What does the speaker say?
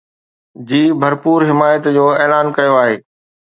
جي ڀرپور حمايت جو اعلان ڪيو آهي